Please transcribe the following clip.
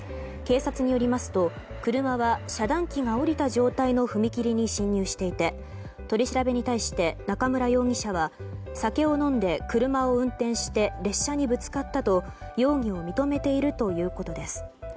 警察によりますと、車は遮断機が下りた状態の踏切に進入していて取り調べに対して中村容疑者は酒を飲んで車を運転して列車にぶつかったと容疑を認めているということです。